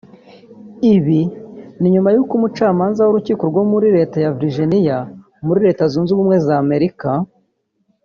Ibi ni nyuma yuko umucamanza mu rukiko rwo muri leta ya Virginiya muri Leta zunze ubumwe z’Amerika